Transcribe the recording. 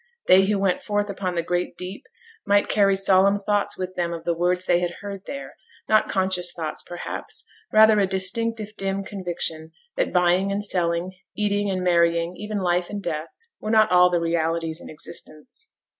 They who went forth upon the great deep might carry solemn thoughts with them of the words they had heard there; not conscious thoughts, perhaps rather a distinct if dim conviction that buying and selling, eating and marrying, even life and death, were not all the realities in existence.